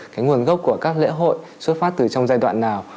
cái nguồn gốc của các lễ hội xuất phát từ trong giai đoạn nào